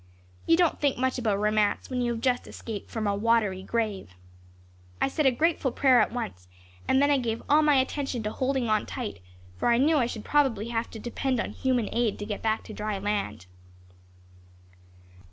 You don't think much about romance when you have just escaped from a watery grave. I said a grateful prayer at once and then I gave all my attention to holding on tight, for I knew I should probably have to depend on human aid to get back to dry land."